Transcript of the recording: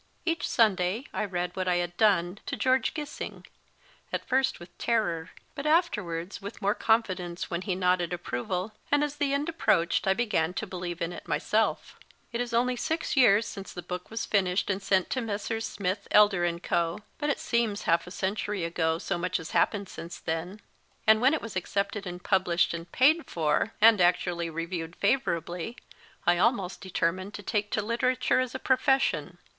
Each Sunday I read what I had done to George Gissing ; at first with terror, but afterwards with more confi dence when he nodded approval, and as the end approached I began to believe in it myself. It is only six years since the book was finished and sent to Messrs. Smith, Elder, & Co., but it seems half a century ago, so much has happened since then ; and when it was AX AMERICAN SAW MILL WHERE MR. ROBERTS WORKED accepted and published and paid for, and actually reviewed favourably, I almost determined to take to literature as a profession.